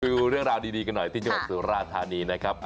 ดูเรื่องราวดีกันหน่อยที่จังหวัดสุราธานีนะครับ